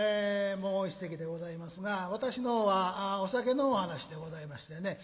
もう一席でございますが私のはお酒のお噺でございましてね。